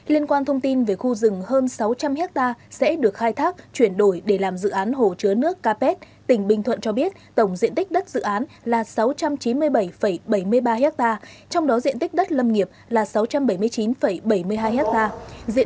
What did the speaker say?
liên quan thông tin về khu rừng hơn sáu trăm linh hectare sẽ được khai thác chuyển đổi để làm dự án hồ chứa nước capet tỉnh bình thuận cho biết tổng diện tích đất dự án là sáu trăm chín mươi bảy bảy mươi ba hectare trong đó diện tích đất lâm nghiệp là sáu trăm bảy mươi chín bảy mươi hai hectare diện tích đất sản xuất nông nghiệp là một mươi tám một hectare